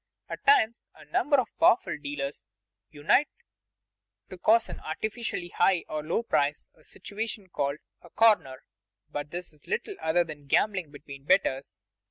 At times a number of powerful dealers unite to cause an artificially high or low price, a situation called "a corner." But this is little other than gambling between betters.